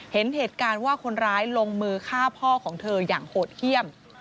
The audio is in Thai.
เห็นเหตุการณ์ว่าคนร้ายลงมือฆ่าพ่อของเธออย่างโหดเยี่ยม